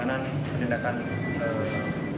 adalah sekitar lima ratus personel